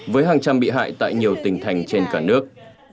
với hàng trăm bị hại tại nhiều tỉnh thành trên cả nước